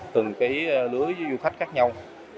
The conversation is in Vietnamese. từng lưới du khách khác nhau